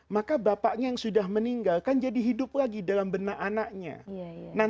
maka bapaknya yang sudah meninggal kan jadi hidup lagi dalam benak anaknya